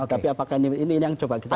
tapi apakah ini yang coba kita